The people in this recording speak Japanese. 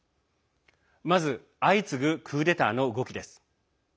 まず、相次ぐクーデターの動きです。